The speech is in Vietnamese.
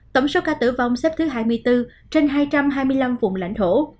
tổng số ca tử vong xếp thứ hai mươi bốn trên hai trăm hai mươi năm vùng lãnh thổ